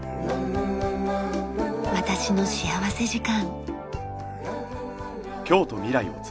『私の幸福時間』。